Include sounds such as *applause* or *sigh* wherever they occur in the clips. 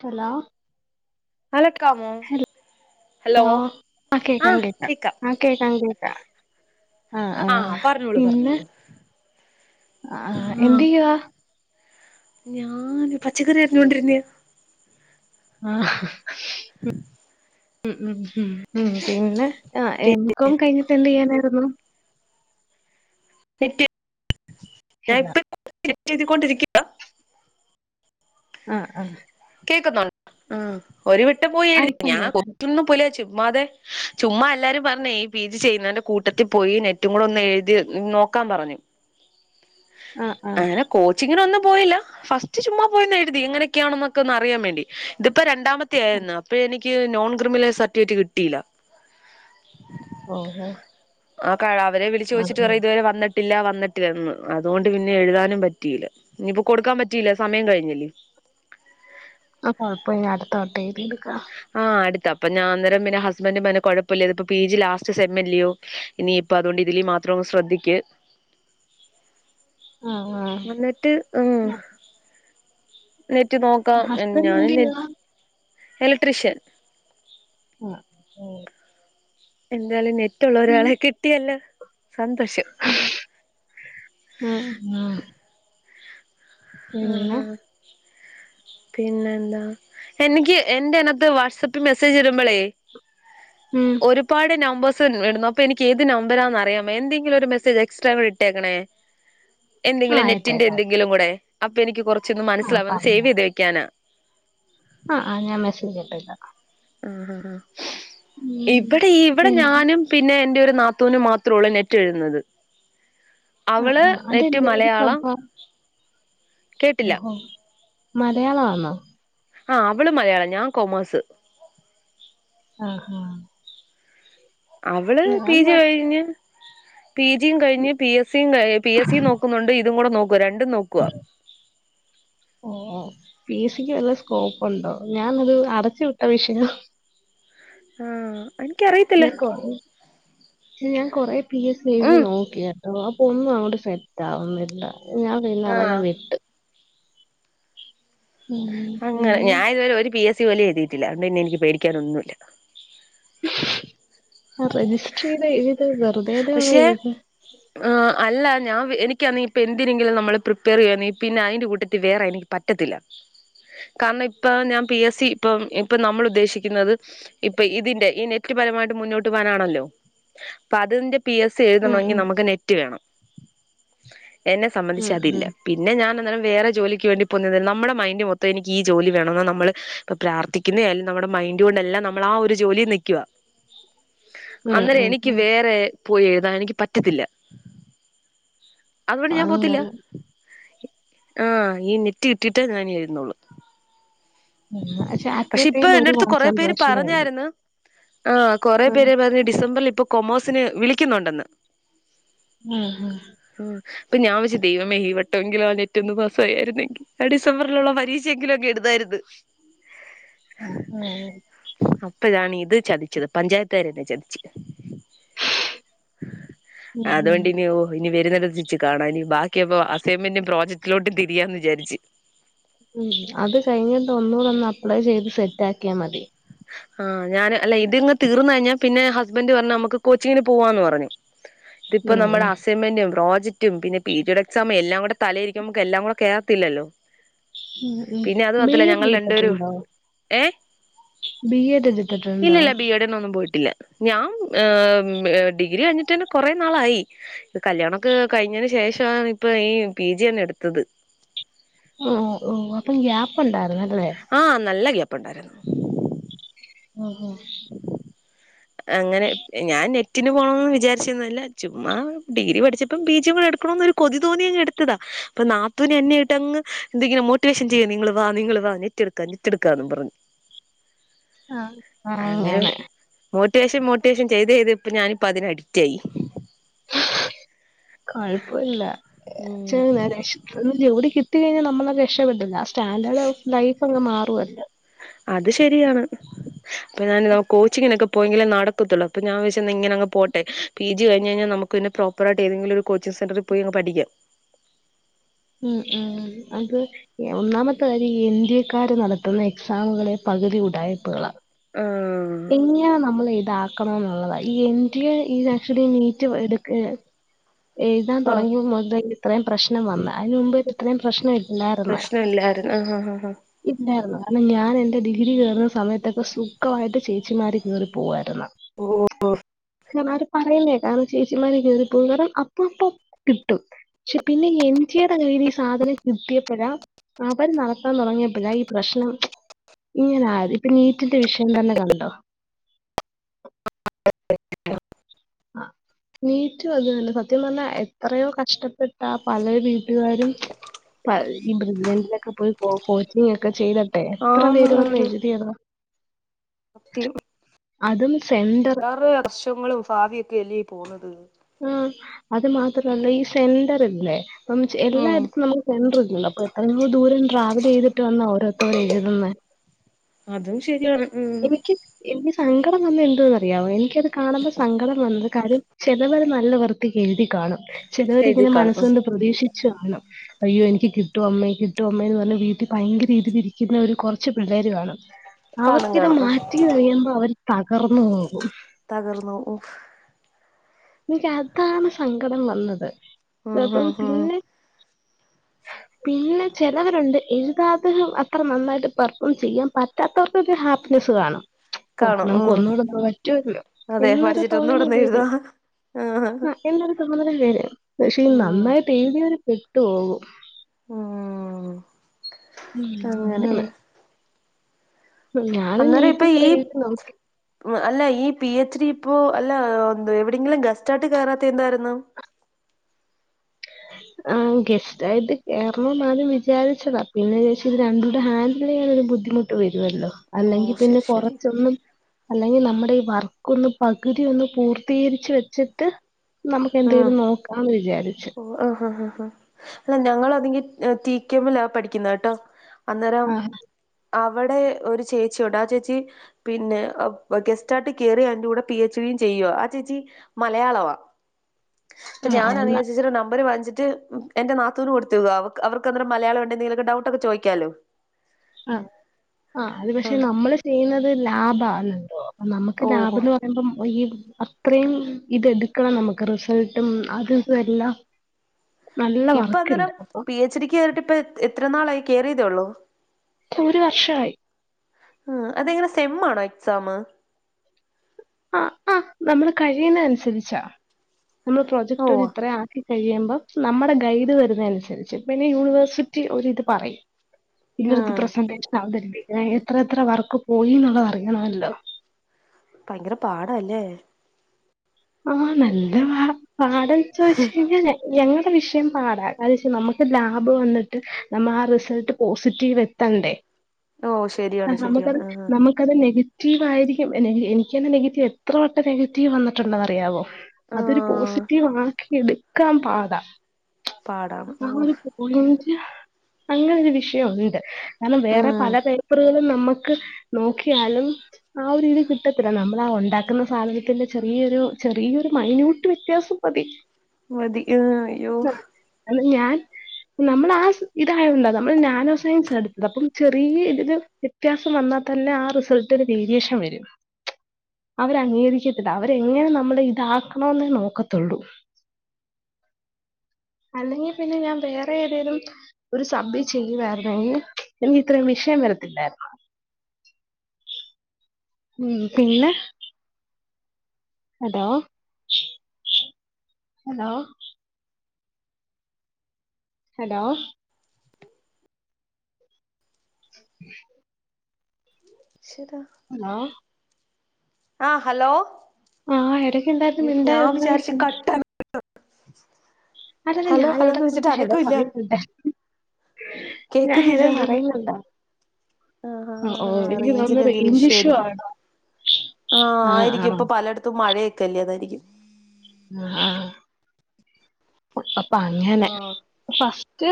Hello കേള്ക്കാമോ hello ആ കേക്കാം ആഹ് കേക്കാം ആ കേക്കാം കേക്കാം ആഹ് ആഹ് പറഞ്ഞോളൂ പിന്നെ പറഞ്ഞോളൂ ആ ആഹ് എന്ത് ചെയ്യുവാ ഞാന് പച്ചക്കറി അറിഞ്ഞൊണ്ടിരുന്നേ ആഹ് ഉം ഉം ഉം ഉം പിന്നെ ആ എം കോം കഴിഞ്ഞിട്ട് എന്ത് ചെയ്യാനായിരുന്നു നെറ്റ് ഞാൻ ഹലോ ഇപ്പെ നെറ്റ് എഴുതിക്കൊണ്ടിരിക്കാ ആഹ് ആഹ് കേക്കുന്നുണ്ടേ ആ ഒരു വട്ടം പോയി എഴുതി ഐഫോൺ ഞാൻ കേട്ടാൽ ഒന്നും പോലെ ചുമ്മാതെ ചുമ്മാ എല്ലാരും പറഞ്ഞേ ഈ പി ജി ചെയ്യുന്നന്റെ കൂട്ടത്തിൽ പോയി നെറ്റും കൂടെ ഒന്ന് എഴുതി നോക്കാൻ പറഞ്ഞ് ആ ആ അങ്ങനെ കോച്ചിങ്ങിനൊന്നും പോയില്ല ഫസ്റ്റ് ചുമ്മാ പോയി ഒന്ന് എഴുതി എങ്ങനൊക്കെയാണെന്നൊക്കെ ഒന്ന് അറിയാൻ വേണ്ടി ഇതിപ്പോ ര രണ്ടാമത്തെ ആയിരുന്നു അപ്പോ എനിക്ക് നോൺ ക്രിമിനൽ സർട്ടിഫിക്കറ്റ് കിട്ടിയില്ല ഓഹോ ഹോ ആ അവരെ വിളിച്ച് ചോയിച്ചിട്ട് പറയും ഇതുവരെ വന്നിട് ഇല്ല വന്നിട്ടില്ലിന്ന് അതുകൊണ്ട് പിന്നെ എഴുതാനും പറ്റിയില്ല ഇനിയിപ്പോ കൊടുക്കാൻ പറ്റിയില്ല സമയം കഴിഞ്ഞില്ലേ അത് കൊഴപ്പില്ല അടുത്ത വട്ടം എഴുതിയെടുക്കാം ആഹ് അടുത്ത അപ്പ ഞാനന്നേരം പിന്നെ ഹസ്ബന്റും പറഞ്ഞു കുഴപ്പില്ല ഇത് ഇപ്പ പി ജി ലാസ്റ്റ് സെം അല്ലിയോ ഇനിയിപ്പൊ അതുകൊണ്ട് ഇതിലി മാത്രം ശ്രദ്ധിക്ക് *inaudible* ആ ആ വന്നിട്ട് ഉം നെറ്റ് നോക്കാം ഹസ്ബൻഡ് ഞാനും എന്ത് നെ ചെയ്യുവാ എലക്ട്രീഷ്യൻ ആഹ് ഏ എന്തായാലും നെറ്റുള്ള ഉം, ഒരാളെ കിട്ടിയല്ലോ സന്തോഷം ഉം ഉം ആഹ് പിന്നെ ആഹ് *inaudible* പിന്നെ എന്താ എനിക്ക് എന്റെ അനത്ത് വാട്സ്ആപ്പിൽ മെസ്സേജ് ഇടുമ്പളേ ഉം, ഒരു പാട് നമ്പേഴ്സ് വരുന്നു അപ്പൊ എനിക്ക് ഏത് നമ്പരാന്ന് അറിയാൻ വയ്യ എന്തെങ്കിലും മെസേജ് എക്സ്ട്രാ കൂടെ ഇട്ടേക്കണേ *inaudible* ആ എന്തെങ്കിലും നെറ്റിന്റെ ആയിട്ടേക്കാം കാ- എന്തെങ്കിലും കൂടെ അപ്പൊ എനിക്ക് കുറച്ചൊന്ന് ആ മനസ്സിലാവൻ സേവ് ചെയ്ത് വെക്കാനാ ആഹ് ആഹ് ഞാൻ മെസേജ് ഇട്ടേക്കാം ആഹ് ഹ ഹാ ഉം, ഇവിടെ ഇവിടെ പിന്നെ ഞാനും പിന്നെ എന്റെ ഒരു നാത്തൂനും മാത്രള്ളൂ നെറ്റ് എഴതുന്നത് ആ അവള് ആ നെറ്റ് അതെന്തേത് മലയാളം സംഭവാ കേട്ടില്ല ഓഹോ മലയാളവാന്നാ ആഹ് അവള് മലയാളം ഞാൻ കോമേഴ്സ് ആഹ് ആഹ് അവള് പി മ ജെ കഴിഞ്ഞ് പി ജിയും കഴിഞ്ഞ് പി എസ്സിയും പി എസ് സിയും നോക്കുന്നുണ്ട് ഇതും കൂടെ നോക്കുവ രണ്ടും നോക് *inaudible* പി സിക്ക് വല്ല സ്കോപ്പ് ഉണ്ടോ ഞാനത് അടച്ചു വിട്ട വിഷയവ ആഹ് എനിക്കറിയത്തില്ല ഞാൻ കൊ ഞാൻ കൊറേ പി എസ് സി എഴുതി ഉം നോക്കിയാര് ഓ അപ്പൊ ഒന്നും അങ്ങോട്ട് സെറ്റ് ആവുന്നില്ല ഞാൻ പിന്നെ ആഹ് അതങ്ങ് വിട്ട് ഉം അങ്ങനെ പിന്നെ ഞാനിതുവരെ ഒരു പി എസ് സി പോലും എഴുയിട്ടില്ല അതുകൊണ്ടെനിക്ക് പേടിക്കാനൊന്നുമില്ല രജിസ്റ്റർ ചെയ്ത ഇതില് വെറുതെ *unintelligible* ആ അല്ല ഞാൻ എനിക്കാന്നെ ഇപ്പൊ എന്തിനെങ്കിലും നമ്മള് പ്രിപ്പയർ ചെയ്യുവാന്നെ പിന്നെ അതിന്റെ കൂട്ടത്തിൽ വേറെ എനിക്ക് പറ്റത്തില്ല കാരണം ഇപ്പൊ ഞാൻ പി എസ് സി ഇപ്പം ഇപ്പൊ നമ്മൾ ഉദ്ദേശിക്കുന്നത് ഇപ്പൊ ഇതിന്റെ ഈ നെറ്റ്പരമായിട്ട് മുന്നോട്ട് പോകാനാണല്ലോ അപ്പൊ അതിന്റെ പി എസ് സി ഉം എഴുതണമെങ്കി ഉം നമുക്ക് നെറ്റ് വേണം എന്നെ സംബന്ധിച്ച് ഉം അതില്ല പിന്നെ ഞാനന്നേരം വേറെ ജോലിക്ക് വേണ്ടി പോന്നതെ നമ്മുടെ മൈന്റ് മൊത് ത്തം എനിക്ക് ഈ ജോലി വേണമന്ന് നമ്മള് ഇപ്പ പ്രാർത്ഥിക്കുന്നേ ആയാലും നമ്മുടെ മൈൻഡ് കൊണ്ട് എല്ലാം നമ്മൾ ആ ഒരു ജോലി നിക്കുവാ *inaudible* ഉം ഉം അന്നേരം ഉം എനിക്ക് ഉം വേറെ പോയി എഴുതാൻ എനിക്ക് പറ്റത്തില്ല അതുകൊണ്ട് ഞാൻ പോകത്തില്ല അങ്ങനെ ആ ഈ നെറ്റ് കിട്ടിയിട്ടേ ഞാനെഴുതുന്നുള്ളൂ ഉം അറ്റ് എ പക്ഷെ ഇപ്പൊ ടൈം എന്റെ ഒരു അടുത്ത് കൊറെ പേര് കോൺസെൻട്രേഷനേ ഉള്ളൂ പറഞ്ഞായിരുന്ന് ആഹ് കൊറെ ഉം പേര് പറഞ്ഞ് ഡിസംബറിൽ ഇപ്പൊ കൊമോസിന് വിളിക്കുന്നുണ്ടെന്ന് ആഹ് ആഹ് ആഹ് അപ്പ ഞാൻ വിചാരിച്ച് ദൈവമേ ഈ വട്ടമെങ്കിലും ആ നെറ്റൊന്ന് പാസായായിരുന്നെങ്കി ആ ഡിസംബറിലുള്ള പരീക്ഷ ക്ഷ യെങ്കിലും അങ്ങ് എഴുതായിരുന്ന് ഉ ഉം ഇപ്പഴാണ് ഇത് ചതിച്ചത് പഞ്ചായത്ത് കാര് എന്നെ ചതിച്ച് ഉം ഉം അതോണ്ടിനി ഓ ഇനി വരുന്നത് വച്ച് കാണാ ഇനി ബാക്കി അപ്പോ അസൈൻമെന്റും പ്രജക്റ്റിലോട്ടും തിരിയാം എന്ന് വിചാരിച്ച് ഉം അത് കഴിഞ്ഞിട്ട് ഒന്നുകൂടെ ഒന്ന് അപ്ലൈ ചെയ്ത് സെറ്റ് ആക്കിയാൽ മതി ആഹ് ഞാന് അല്ല ഇത് ഇങ്ങ് തീർന്ന് കഴിഞ്ഞാ പിന്നെ ഹസ്ബൻന്റ് പർഞ്ഞ് നമക്ക് കോച്ചിങ്ങിന് പോവാന്ന് പറഞ്ഞ് *inaudible* ഇതിപ്പ നമ്മടെ ഉം അസൈൻമെന്റും പ്രോജ റ്റും പിന്നെ പി ജിഡ് എക്സമേ എല്ലാം കൂടെ തലെയിരിക്കുമ്മക്ക് എല്ലാം കൂടെ കേറാത്തില്ലല്ലോ ഉം ഉം പിന്നെ അത് ബി മാത്രല്ല എഡ് ഞങ്ങൾ രണ്ടെരും ഏഹ് ബിഎഡ് എടുത്തിട്ടോ ഇല്ലില്ല ബി എഡ്ന് ഒന്നും പോയിട്ടില്ല ഞാ ഏഹ് ഡിഗ്രി കഴിഞ്ഞിട്ട് തന്നെ കൊറെ നാളായി ഈ കല്യാണൊക്കെ കഴിഞ്ഞന് ശേഷവണ് ഇപ്പ ഈ പി ജി ന്നാ എടുത്തത് ഓ ഓ അപ്പം ഗ്യാപ്പ് ഓണ്ടായിരുന്നല്ലേ ആഹ് നല്ല ഗ്യാപ്പ് ഇണ്ടാരിന്ന് ഉം ഉം അങ്ങനെ ഞാൻ നെറ്റിന് പോണോന്നോന്ന് വിചാരിച്ചിരിന്നല്ല ചുമ്മ ഡിഗ്രി പഠിച്ചപ്പം പി ജി കൂടെ എടുക്കണോന്നൊരു കൊതി തോന്നി അങ്ങ്ടുത്തതാ അപ്പ നാത്തുന് എന്നെയിട്ടാങ്ങ് എന്തെങ്കിലും മോട്ടിവേഷൻ ചെയ്യ് നിങ്ങള് വാ നിങ്ങൾ വാ റ്റ് എടുക്ക നെറ്റ് എടുക്കാന്ന് പറഞ്ഞ് ആഹ് അങ്ങനെ മോട്ടിവേഷൻ മോട്ടിവേഷൻ ചെയ്ത് ചെയ്തിട്ട് ഞാനിപ്പ അതിന് അഡിറ്റായി കൊഴപ്പില്ല *unintelligible* ഒന്ന് ജോലി കിട്ടി കഴിഞ്ഞാൽ നമ്മളനാ രഷ്ടപ്പെടില്ല ലാസ്റ്റ് സ്റ്റാൻഡേർഡ് ലൈഫ് അങ്ങ് മാറുവാ അത് ശരിയാണ് ഇപ്പ ഞാനിതാ കോച്ചിങ്ങിനൊക്കെ അപ്പോയിങ്കിലെ നടത്തുത്തല്ല് അപ്പ ഞാൻ വിച്ച് ഇങ്ങന അങ്ങ് പോട്ടെ പി ജി കയിഞ്ഞ് കഴിഞ്ഞാ നമ്മക്ക് പിന്നെ പ്രോ പ്പറായിട്ട് എതെങ്കിലും ഒരു കോച്ചിംഗ് സെന്ററി പോയി അങ്ങ് പഠിക്കാം ഉം ഉം അത് ഒന്നാമത്തെ കാര്യ ഈ ഇന്ത്യക്കാര് നടത്തുന്ന എക്സാമുകളെ പകുതി ഉടായിപ്പുകള ആഹ് ഇനിയ നമ്മളെ ഇതാക്കണം എന്നുള്ളതാ ഈ എൻഡിഎ ഈ നാക്ഷിഡ് നീറ്റ് എടുക്ക എഴുതാൻ ആഹ് തുടങ്ങിയപ്പാ മുതല ഇത്രയും പ്രശ്നം വന്നെ അയിന് മുമ്പ് ഇത്രയും പ്രശ്നം ഇ പ്രശ്നം ഇല്ലാരുന്നു ആഹ് ആഹ് ആഹ് ഇല്ലായിരുന്നു കാരണം ഞാൻ എന്റെ ഡിഗ്രി കേറുന്ന സമയത്തൊക്കെ സുഖവായിട്ട് ചേച്ചിമ്മാര് കേറിപോവാരന്ന് ഓഹ് കാരണം അവര് പറയുന്നെ കേക്കാം ചേച്ചിമാര് കേറിപോം കാർണം അപ്പം അപ്പം കിട്ടും പക്ഷെ പിന്നെ എൻടിയെടെ കയ്യിൽ ഈ സാധനം കിട്ടിയപ്പോഴ അവര് നടത്താൻ തുടങ്ങിയപ്പഴ ഈ പ്രശ്നം ഇങ്ങനാര് ഇപ്പ നീറ്റിന്റെ വിഷയം തന്നെ കണ്ടോ ആഹ് നീറ്റും അത് തന്നെ സത്യം പറഞ്ഞാ എത്രയോ കഷ്ടപ്പെട്ടാ പല വീട്ടുകാരും ഈ *unintelligible* പോയി കോച്ചിംഗ് ഒക്കെ ചെയ്ത ഏഹ് എത്ര ആന്ന് പേര് വന്ന് അയ്യോ എഴുതിയത സത്യം അതും സെന്റർ വേറെ വർഷങ്ങളും ഭാവിയൊക്കെ അല്ലേ ഈ പോന്നത് ഉം അത് മാത്രല്ല ഈ സെന്ററില്ലേ അപ്പം ചെ ഉം എല്ലായിടത്തും നമ്മക്ക് സെൻ്ററില്ലല്ലോ അപ്പ എത്ര ദൂരം ട്രാവല് ചെയ്തിട്ട് വന്നാ ഓരോത്തോര് എഴുതുന്നെ അതും ശെരിയാണ് ഉം എനിക്ക് എനിക്ക് സങ്കടം വന്നെ എന്തുവാന്നറിയാവോ എനിക്കത് കാണുമ്പോ സങ്കടം വന്നത് കാര്യം അതെപോലെ നല്ല വൃത്തി എഴുതി കാണും എഴുതി ചിലവരിങ്ങനെ കാണും മനസ്സ് ഉം കൊണ്ട് പ്രതീക്ഷിച്ച് കാണും അയ്യോ എനിക്ക് കിട്ടും അമ്മേ കിട്ടും അമ്മേ എന്ന് പറഞ്ഞ് വീട്ടിൽ ഭയങ്കര ഇതിരിക്കുന്ന ഒരു കൊറച്ച് പിള്ളേര് കാണും കാണും അവർക്കിത് കാണും ഉം മാറ്റിന്ന് അറിയുമ്പോ അവര് തകർന്ന് പോകും തകർന്നോം ഓഹ് എനിക്ക് അതാണ് സങ്കടം വന്നത് ഉം ഇപ്പം ഉം ഉം പിന്നെ പിന്നെ ചെലവരുണ്ട് എഴുതാതെഹ് അത്ര നന്നായിട്ട് പെർഫോം ചെയ്യാൻ പ റ്റാത്തോർക്കൊക്കെ ഹാപ്പിനെസ് കാണും ഓ കാണും നമുക്ക് ഉം ഒന്നൂടൊന്ന് പറ്റോല്ലൊ അതെ എന്നൊരു പഠിച്ചിട്ട് ഒന്നും തോന്നല് ഇവിടന്ന് എഴുതാ വരും ആഹ് *unintelligible* പക്ഷെ ഈ ഉം നന്നായിട്ട് എഴുതിയവര് പെട്ടുപോകും ഉം മ്മ് അങ്ങനെ ഞാന് അന്നേരം നീറ്റി ഇപ്പൊ ഈ പറയ് നോക്കി അല്ല ഈ പി എച്ച് ഡി ഇപ്പൊ അല്ല എവിടെങ്കിലും ഗസ്റ്റ് ആയിട്ട് കേറാത്ത എന്താരുന്നു ആ ഗസ്റ്റ് ആയിട്ട് കേറണോന്നാദ്യം വിചാരിച്ചതാ പിന്നെ ഇത് രണ്ട് കൂടെ ഹാൻഡിൽ ചെയ്യാൻ ഒരു ബുദ്ധി ബുദ്ധിമുട്ട് വരുവല്ലൊ ഓ അല്ലെങ്കിൽ പിന്നെ ശരി ശരി കൊറച്ചൊന്നും അല്ലെങ്കിൽ നമ്മുടെ ഈ വർക്കൊന്ന് പകുതി ഒന്ന് പൂർത്തീകരിച്ച് വെച്ചിട്ട് നമുക്ക് ഉം എന്തേലും നോക്കാന്ന് വി ചാരിച്ചു ഓ ആഹ് ഹ് ഹ് അല്ല ഞങ്ങൾ ആ ന്നെങ്കി ടീ. കെ. മ്മില പഠിക്കുന്നേ ട്ടൊ അന്നേരം ആ അവിടെ ഒരു ചേച്ചിയൊണ്ട് ആ ചേച്ചി പിന്നെ ഗെസ്റ്റ്ആട്ട് കേറി അതിന്റെ കൂടെ പി എച്ച് ഡി യും ചെയ്യുവ ആഹ് ചേച്ചി മലയാളവാ ഇപ്പ ആ ഞാൻ എന്നാ *unintelligible* നമ്പർ വാങ്ങിച്ചിട്ട് എന്റെ നാത്തൂന് കൊടുത്തിരുന്ന് അവക്ക് അവർക്ക് മലയാളം ഉണ്ടെനി ഡൗട്ട്ക്കെ ചോദിക്കാലോ ആഹ് ആഹ് അത് പക്ഷെ നമ്മള് ചെയ്യുന്നത് ലാഭാ ആ നമുക്ക് ഓഹോ ലാഭന്ന്പ റയുമ്പം ഈ അത്രയും ഇത് എടുക്കണം നമുക്ക് റിസൾട്ടും അതും ഇതും എല്ലാം നല്ല വർക്കിണ്ട് അപ്പൊ *inaudible* റിട്ട് ഇപ്പോൾ എത്ര നാളായി കേറിയതെള്ളോ ഒരു വർഷായി ആഹ് അതെങ്ങനെ സെം ആണോ എക്സാമ് ആഹ് ആഹ് നമ്മൾ കഴിയുന്ന അനുസരിച്ചാ നമ്മൾ പ്രൊജക്ട് ഒരു ഓഹ് ഇത്ര ഇത് കഴിയുമ്പം നമ്മുടെ ഗൈഡ് വരുന്ന അനുസരിച്ച് പിന്നെ യൂണിവേഴ്സിറ്റി ഒരിത് പറയും ഇല്ലടത്ത് ഉം പ്രസന്റേഷൻ ആവുന്നുണ്ട്‌ എത്ര എത്ര വർക്ക് പോയി എന്നുള്ളത് അറിയണല്ലോ ഭയങ്കര പാടല്ലേ. ആഹ് നല്ല പാടാ, പാടായെന്ന് ചോദിച്ച് കഴിഞ്ഞാൽ ഞങ്ങടെ വിഷയം പാടാ. അതെ പക്ഷേ നമുക്ക് ലാബ് വന്നിട്ട് നമ്മ ആ റിസൾട്ട് പോസിറ്റീവ് എത്തണ്ടേ ഓഹ് ശരിയാണ് ആഹ് ശരിയാണ് നമക്കറി ആഹ് നമ ഒരു നെഗറ്റീവായിരിക്കും എനിക്ക് തന്നേ നെഗറ്റീവ് എത്ര വട്ടം നെഗറ്റീവ് വന്നേ ണ്ടെന്ന് അറിയാവോ, അതൊരു ആഹ് പോസിറ്റീവ് ആക്കി എടുക്കാൻ പാടാ. പാടാണ് ആ ഒരു ഓഹ് കോളേജ് അങ്ങനെ ഒരു വിഷയം ഉണ്ട് കാരണം വേറെ ഉം പല പേപ്പറുകളും നമ്മു ക്ക് നോക്കിയാലും ആ ഒരിത് കിട്ടത്തില്ല നമ്മൾ ആ ഉണ്ടാക്കുന്ന സാധനത്തിന്റെ ചെറിയൊരു ചെറിയൊരു മൈന്യൂട്ട് വ്യത്യാസം മതി. വേദനക്കണം അയ്യോ. അല്ല ഞാൻ നമ്മൾ ആഹ് ഇതായതുണ്ട് നമ്മൾ നാനോ സയൻസ് എടുത്തത് അപ്പം ചെറിയ ഇതില്. വിത്യാസം വന്നാ തന്നെ ആ റിസൾട്ടിന് വേരിയേഷൻ വരും അവര് അംഗീകരിച്ചി ഇത് അവരെങ്ങനെയും നമ്മള് ഇതാക്കണോന്നെ നോക്കത്തുള്ളൂ അല്ലെങ്കിൽ പിന്നെ ഞാൻ വേറെ ഏതേലും ഒരു സബ് ചെയ്യുവായിരുന്നെങ്കിൽ ഇന്ന് ഇത്രയും വിഷയം വരത്തില്ലായിരുന്നു ഉം പിന്നെ ഹലോ ഹലോ ഹലോ *unintelligible* ഈശ്വരാ ഹലോ ആഹ് ഹലോ ആഹ് ഇടയ്ക്ക് എന്തായി. ഇയ്യോ ഞാൻ വിചാരിച്ചു കട്ടായി *unintelligible* അല്ല അല്ല ഞാൻ ഇവിടെ കെടന്ന് ഹലോ പറയുന്നുണ്ടായിരുന്നു. ഞാൻ ഹലോ കേക്കുന്നില്ലായിരുന്നു പറയുന്നുണ്ടാ ആഹ് ആ ആഹ് ഓ ആഹ് എനിക്ക് തോന്നുന്നെ റെയ് ഞ്ച് ഇഷ്യു ആണൊ ആ ആയിരിക്കും. ഇപ്പൊ പലയടത്തും മഴയൊക്കല്ലേ അതായിരിക്കും ആഹ് ആഹ് അപ്പൊ അങ്ങനെ ആഹ് ഫസ്റ്റ്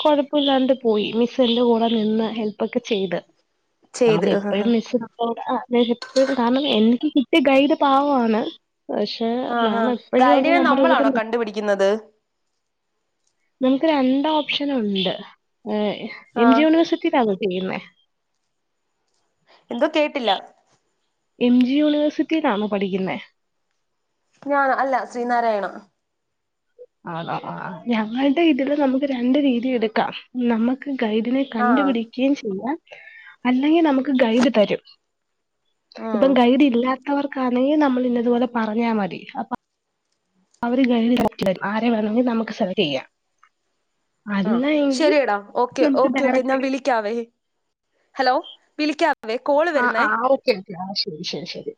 കൊഴപ്പില്ലാണ്ട് പോയി. മിസ്സ് എന്റെ കൂടെ നിന്ന് ഹെൽപ്പ് ഒക്കെ ചെയ്ത്. ചെയ്ത് നമുക്ക് ആഹ് എപ്പഴും ആഹ് മിസ്സിനെ ഓ എപ്പൊഴും, കാരണം, എനിക്ക് കിട്ടിയ ഗൈഡ് പാവമാണ്. ആഹ് ആഹ് ഗൈഡിനെ നമ്മളാണോ കണ്ടുപിടിക്കുന്നത്. നമുക്ക് രണ്ട് ഓപ്ഷനുണ്ട്. എം ജി ആഹ് യൂണിവേഴ്സിറ്റിയിലാണോ ചെയ്യുന്നെ എന്തോ കേട്ടില്ല. എം ജി യൂണിവേഴ്സിറ്റിയിലാന്നോ പഠിക്കുന്നെ ഞാൻ അല്ല ശ്രീനാരായണ ആ ഞങ്ങളുടെ ഇതില് നമുക്ക് രണ്ട് രീതി എടുക്കാം. നമ്മക്ക് ഗൈഡിനെ ആഹ് കണ്ടുപിടിക്കുകയും ചെയ്യാം അല്ലെങ്കിൽ നമുക്ക് ഗൈഡ് തരും ഉം ഇപ്പം ഗൈഡ് ഇല്ലാത്തവർക്കാണെങ്കിൽ നമ്മൾ ഇന്നതുപോലെ പറഞ്ഞാ മതി അപ്പൊ അവര് ഗൈഡ് തരുന്നുണ്ട്. ആരെ വേണമെങ്കിലും നമുക്ക് സെലക്ട് ചെയ്യാം. ആ അല്ല എങ്കിൽ ശരിയെടാ ഓക്കെ നമുക്ക് ഓക്കേ ഓക്കെ ഞാൻ ഡയറക്റ്റ് വിളിക്കാവേ, ഹലോ വിളിക്കാം ആ ആ് ഓക്കെ ഓക്കെ ആ ശരി ശരി ശരി